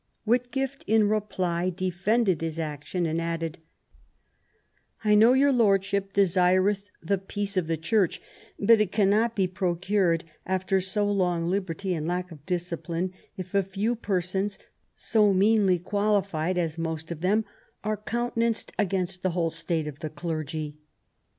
Whitgift, in reply, defended his action, and added :I know your Lordship desireth the peace of the Church, but it cannot be procured after so long liberty and lack of discipline if a few persons, so meanly qualified as most of them, are countenanced against the whole state of the clergy